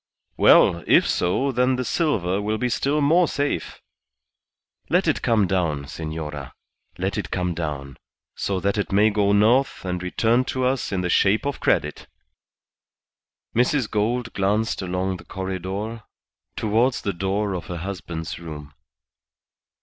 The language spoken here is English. "Well, if so, then the silver will be still more safe. Let it come down, senora. Let it come down, so that it may go north and return to us in the shape of credit." Mrs. Gould glanced along the corredor towards the door of her husband's room.